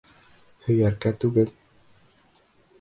Һөйәркә түгел!